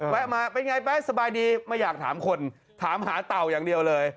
มาเป็นไงแป๊ะสบายดีไม่อยากถามคนถามหาเต่าอย่างเดียวเลย